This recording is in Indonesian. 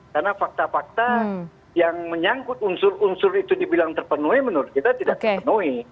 karena fakta fakta yang menyangkut unsur unsur itu dibilang terpenuhi menurut kita tidak terpenuhi